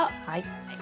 はい。